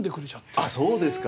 ええっそうですか。